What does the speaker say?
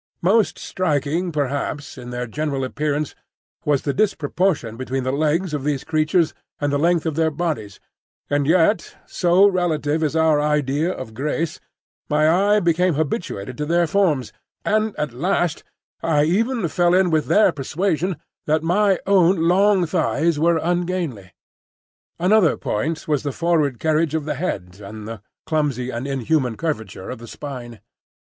Most striking, perhaps, in their general appearance was the disproportion between the legs of these creatures and the length of their bodies; and yet—so relative is our idea of grace—my eye became habituated to their forms, and at last I even fell in with their persuasion that my own long thighs were ungainly. Another point was the forward carriage of the head and the clumsy and inhuman curvature of the spine.